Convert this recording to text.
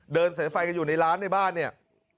เดินสายไฟกันอยู่ในร้านในบ้านเนี่ย